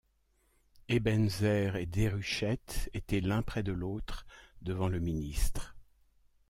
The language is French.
Ebenezer et Déruchette étaient l’un près de l’autre devant le ministre.